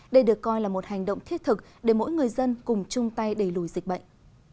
đây được coi là một hành động thiết thực để mỗi người dân cùng chung tay đẩy lùi dịch bệnh